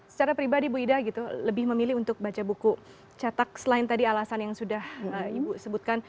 secara pribadi ibu ida gitu lebih memilih untuk baca buku cetak selain tadi alasan yang sudah ibu sebutkan